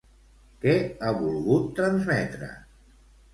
Què ha volgut transmetre?